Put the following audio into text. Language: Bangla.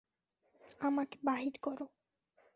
আমাকে বাহিরে বের কর!